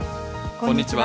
こんにちは。